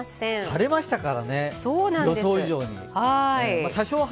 晴れましたからね、予想以上に。